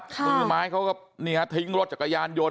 คุณหมายเขาก็นี่ฮะทิ้งรถจากกระยานยนต์